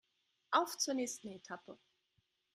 Auf zur nächsten Etappe